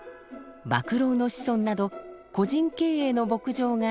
馬喰の子孫など個人経営の牧場が